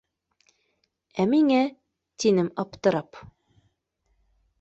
— Ә миңә? — тинем аптырам.